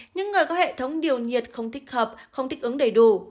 những người có hệ thống điều nhiệt không thích hợp không thích ứng đầy đủ